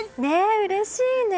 うれしいね！